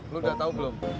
lo udah tau belum